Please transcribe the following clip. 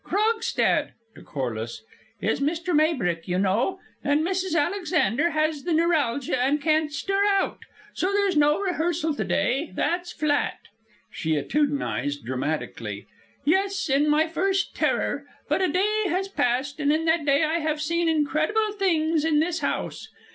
Krogstad" (to Corliss) "is Mr. Maybrick, you know. And Mrs. Alexander has the neuralgia and can't stir out. So there's no rehearsal to day, that's flat!" She attitudinized dramatically: "'_Yes, in my first terror! But a day has passed, and in that day I have seen incredible things in this house!